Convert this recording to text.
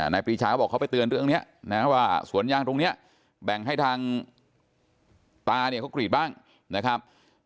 ปรีชาเขาบอกเขาไปเตือนเรื่องนี้นะว่าสวนยางตรงนี้แบ่งให้ทางตาเนี่ยเขากรีดบ้างนะครับ